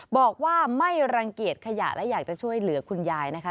บอกว่าไม่รังเกียจขยะและอยากจะช่วยเหลือคุณยายนะคะ